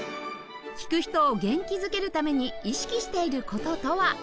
聴く人を元気づけるために意識している事とは？